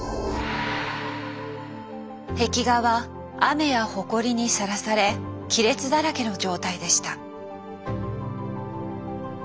壁画は雨やほこりにさらされ亀裂だらけの状態でした。